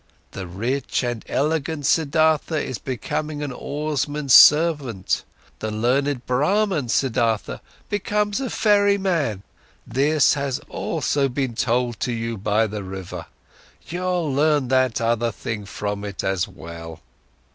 The rich and elegant Siddhartha is becoming an oarsman's servant, the learned Brahman Siddhartha becomes a ferryman: this has also been told to you by the river. You'll learn that other thing from it as well."